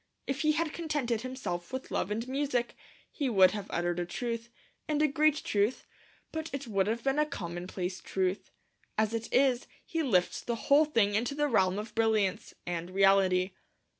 If he had contented himself with Love and Music, he would have uttered a truth, and a great truth; but it would have been a commonplace truth. As it is, he lifts the whole thing into the realm of brilliance and reality.